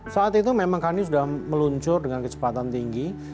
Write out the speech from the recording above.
saat itu memang kani sudah meluncur dengan kecepatan tinggi